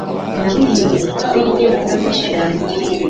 Nawehinduye kopi y'inyemezabwishyu yanjye.